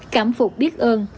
cảm phục biết ơn